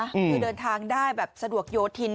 คือเดินทางได้แบบสะดวกโยธิน